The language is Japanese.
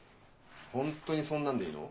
ホントにそんなんでいいの？